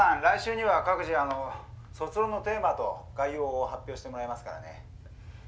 来週には各自あの卒論のテーマと概要を発表してもらいますからね。